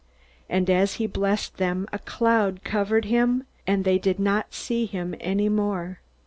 And as he blessed them, a cloud covered him, and they did not see him any more.